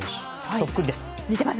そっくりです。